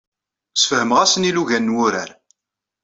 Ssfehmeɣ-asen ilugan n wurar.